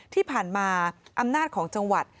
ที่ผ่านมาอำนาจของจังหวัด